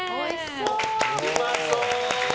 うまそう！